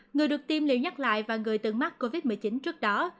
người được tiêm liều nhắc lại và người từng mắc covid một mươi chín trước đó